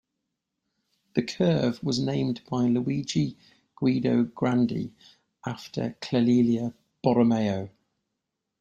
The curve was named by Luigi Guido Grandi after Clelia Borromeo.